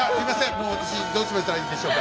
もう私どうしましたらいいんでしょうか。